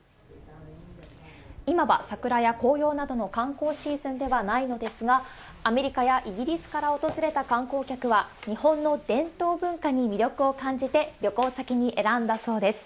今は桜や紅葉などの観光シーズンではないのですが、アメリカやイギリスから訪れた観光客は、日本の伝統文化に魅力を感じて、旅行先に選んだそうです。